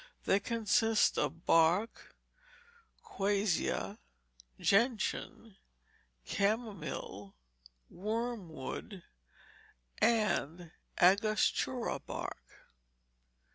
They consist of bark, quassia, gentian, camomile, wormwood, and angostura bark.